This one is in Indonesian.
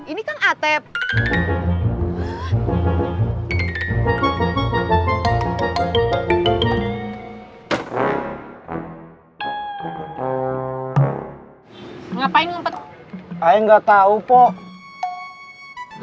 ini kan atep ngapain enggak tahu poh